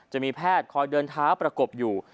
จะมีแพทย์คอยเดินเท้าประกบอยู่